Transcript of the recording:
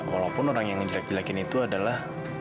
walaupun orang yang ngejelek jelekin itu adalah